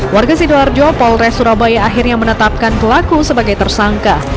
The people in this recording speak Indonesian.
warga sidoarjo polres surabaya akhirnya menetapkan pelaku sebagai tersangka